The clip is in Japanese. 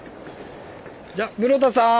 じゃ室田さん